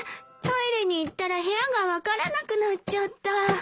トイレに行ったら部屋が分からなくなっちゃった。